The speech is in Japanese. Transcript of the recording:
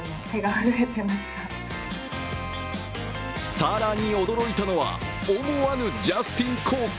更に驚いたのは、思わぬジャスティン効果。